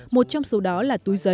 một trong số đó là túi giấy